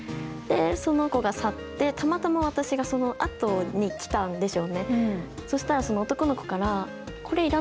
その子が去ってたまたま私がそのあとに来たんでしょうね。